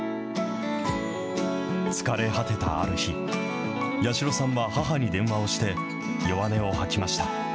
疲れ果てたある日、八代さんは母に電話をして、弱音を吐きました。